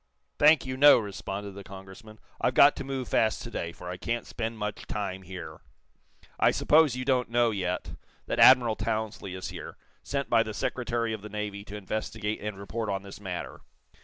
"Thank you, no," responded the Congressman. "I've got to move fast to day, for I can't spend much time here. I suppose you don't know, yet, that Admiral Townsley is here sent by the Secretary of the Navy to investigate and report on this matter."